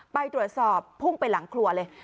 ไปตรวจสอบพุ่งไปหลังครัวเลย